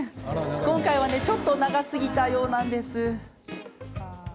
今回はちょっと長すぎたようです。